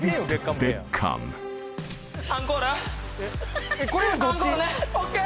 アンコールねＯＫ！